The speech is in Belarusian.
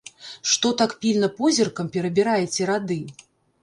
Што так пільна позіркам перабіраеце рады?